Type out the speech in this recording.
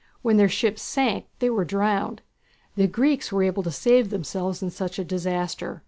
When their ships sank they were drowned. The Greeks were able to save themselves in such a disaster.